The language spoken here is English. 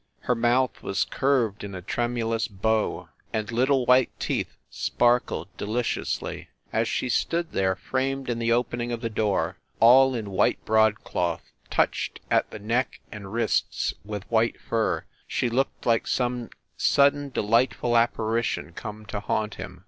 Her mouth was curved in a tremulous bow, and little white teeth sparkled de liciously. As she stood there, framed in the opening of the door, all in white broadcloth, touched at the neck and wrists with white fur, she looked like some sudden delightful apparition come to haunt him.